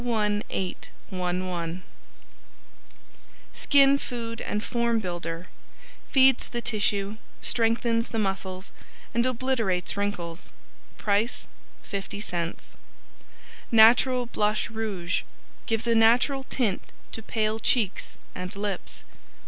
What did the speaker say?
21811 Skin Food & Form Builder Feeds the tissue, strengthens the muscles and obliterates wrinkles. Price 50c Natural Blush Rouge Gives a natural tint to pale cheeks and Lips.